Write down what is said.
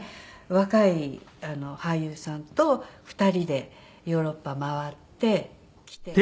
若い俳優さんと２人でヨーロッパ回ってきて。